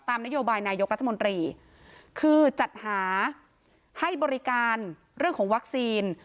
นโยบายนายกรัฐมนตรีคือจัดหาให้บริการเรื่องของวัคซีน